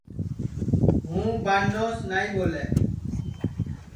ہُوں بانوس نائیں ٻولے